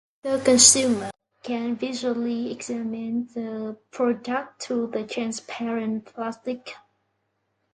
The consumer can visually examine the product through the transparent plastic.